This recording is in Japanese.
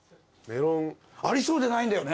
ありそうでないんだよね。